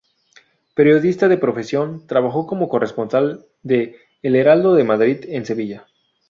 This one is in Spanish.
Periodista de profesión, trabajó como corresponsal de "El Heraldo de Madrid" en Sevilla.